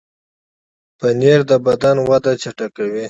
پنېر د بدن وده چټکوي.